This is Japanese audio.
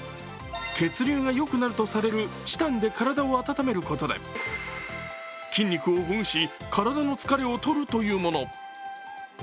血流がよくなるとされるチタンで体を温めることで筋肉をほぐし体の疲れをとるというもの。